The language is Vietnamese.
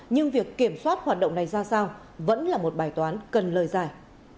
nhưng việc kiểm soát hoạt động này ra sao vẫn là một bài toán cần lời giải